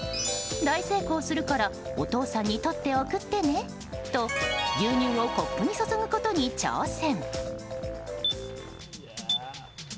大成功するからお父さんに撮って送ってねと牛乳をコップに注ぐことに挑戦。